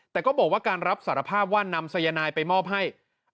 แต่ก็บอกว่าการรับสารภาพว่านำสายนายไปมอบให้